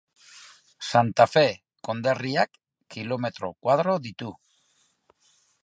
Santa Fe konderriak kilometro koadro ditu.